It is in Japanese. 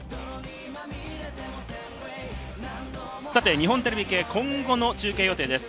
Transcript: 日本テレビ系、今後の中継予定です。